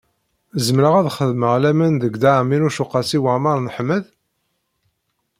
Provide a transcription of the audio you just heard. Zemreɣ ad xedmeɣ laman deg Dda Ɛmiiruc u Qasi Waɛmer n Ḥmed?